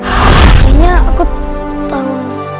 akhirnya aku tahu